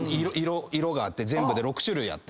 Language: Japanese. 色が全部で６種類あって。